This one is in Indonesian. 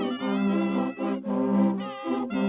pertama suara dari biasusu